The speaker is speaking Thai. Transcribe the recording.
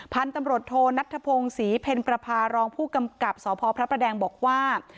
พันธุ์ตำรวจโทนัทธพงศรีเพ็ญประพารองผู้กำกับสพพระประแดงบอกว่า